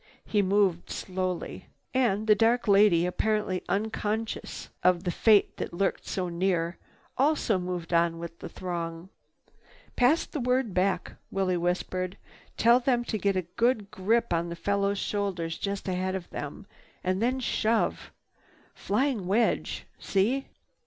He moved slowly. And the dark lady, apparently unconscious of the fate that lurked so near, also moved on with the throng. "Pass the word back," Willie whispered. "Tell them to get a good grip on the fellow's shoulders just ahead and then shove. Flying wedge. See?"